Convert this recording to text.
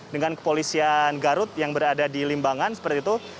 dengan kepolisian garut yang berada di limbangan seperti itu